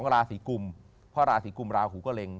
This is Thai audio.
ราศีกุมเพราะราศีกุมราหูก็เล็ง